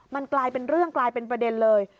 มันกลายเป็นเรื่องกลายเป็นประเด็นเลย